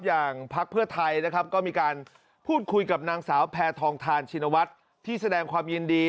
พักเพื่อไทยนะครับก็มีการพูดคุยกับนางสาวแพทองทานชินวัฒน์ที่แสดงความยินดี